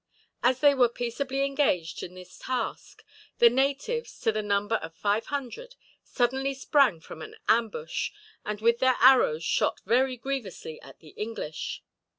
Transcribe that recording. As they were peaceably engaged in this task the natives, to the number of five hundred, suddenly sprang from an ambush, and with their arrows shot very grievously at the English.